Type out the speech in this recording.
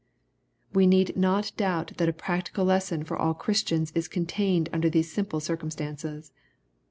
We need not doubt that a practical lesson for all Christians is contained under these simple circumstances.